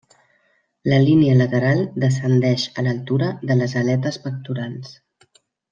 La línia lateral descendeix a l'altura de les aletes pectorals.